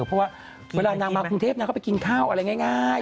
เหมือนเวลานางมากรุงเทพก็คินข้าวอะไรง่าย